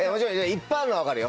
いっぱいあるのは分かるよ。